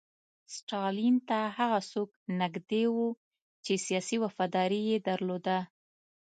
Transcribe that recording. ستالین ته هغه څوک نږدې وو چې سیاسي وفاداري یې درلوده